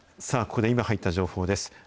さあここで今入った情報です。